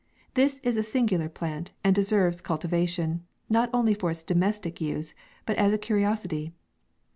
This is a singular plant, and deserves cultivation, not only for its domestic use, but as a curiosity.